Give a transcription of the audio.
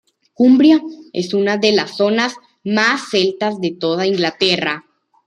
Cumbria es una de las zonas más celtas de toda Inglaterra.